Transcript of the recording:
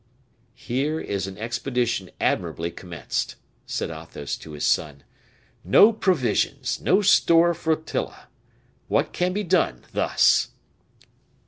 "Here is an expedition admirably commenced!" said Athos to his son. "No provisions no store flotilla! What can be done, thus?"